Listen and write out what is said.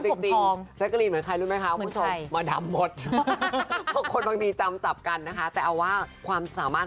จริงอยู่อะดีแจ๊สกะลินเหมือนใครรู้ไหมคะเหมือนใครพวกชมมาดำหมด